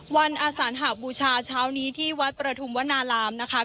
วันอสานหากบูชาเช้านี้ที่วัดปฐุมวนาบรามนะครับ